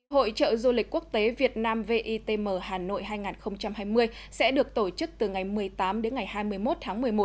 hội trợ du lịch quốc tế việt nam vitm hà nội hai nghìn hai mươi sẽ được tổ chức từ ngày một mươi tám đến ngày hai mươi một tháng một mươi một